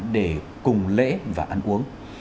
để cùng lễ và ăn uống